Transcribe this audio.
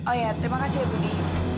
oh ya terima kasih ya budi